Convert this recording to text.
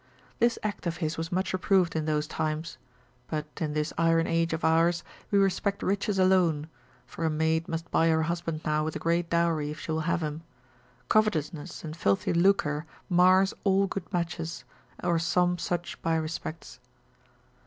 This act of his was much approved in those times. But in this iron age of ours, we respect riches alone, (for a maid must buy her husband now with a great dowry, if she will have him) covetousness and filthy lucre mars all good matches, or some such by respects.